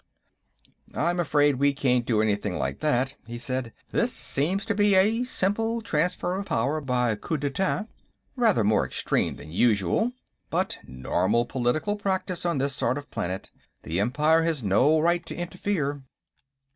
"I'm afraid we can't do anything like that," he said. "This seems to be a simple transfer of power by coup d'etat; rather more extreme than usual, but normal political practice on this sort of planet. The Empire has no right to interfere."